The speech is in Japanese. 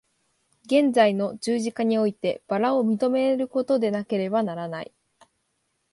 現在の十字架において薔薇を認めることでなければならない。